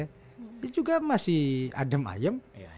tapi juga masih adem ayem